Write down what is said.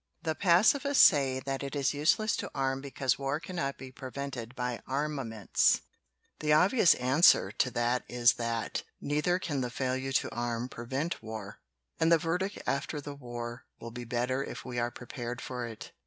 "The pacifists say that it is useless to arm be cause war cannot be prevented by armaments. The obvious answer to that is that neither can the failure to arm prevent war. And the verdict after the war will be better if we are prepared for it.